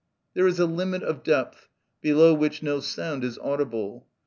There is a limit of depth, below which no sound is audible.